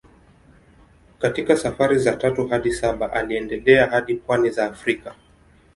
Katika safari za tatu hadi saba aliendelea hadi pwani za Afrika.